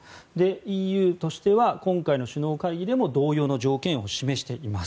ＥＵとしては今回の首脳会議でも同様の条件を示しています。